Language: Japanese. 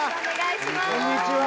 こんにちは！